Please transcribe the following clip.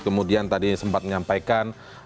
kemudian tadi sempat menyampaikan